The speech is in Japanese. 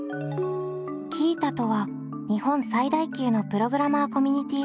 Ｑｉｉｔａとは日本最大級のプログラマーコミュニティサイト。